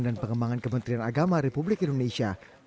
dan pengembangan kementerian agama republik indonesia